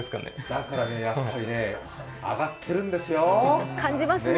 だからやっぱり、上がっているんですよ。